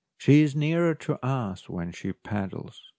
She is nearer to us when she paddles.